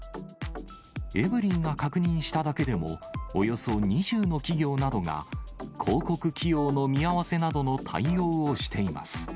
エブリィが確認しただけでも、およそ２０の企業などが、広告起用の見合わせなどの対応をしています。